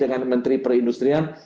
dengan menteri perindustrian